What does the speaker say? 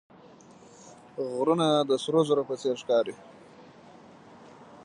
غرونه د سرو زرو په څېر ښکاري